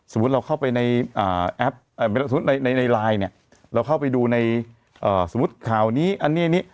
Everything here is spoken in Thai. เราเข้าไปในแอปในไลน์เนี่ยเราเข้าไปดูในสมมุติข่าวนี้อันนี้